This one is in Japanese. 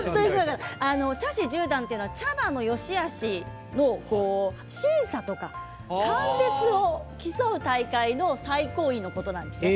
茶師十段というのは茶葉のよしあしの審査とか鑑別を競う大会の最高位のことなんです。